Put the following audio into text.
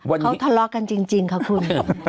วันนี้เขาทะเลาะกันจริงจริงค่ะคุณ